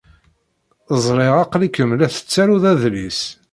Ẓriɣ aql-ikem la tettarud adlis.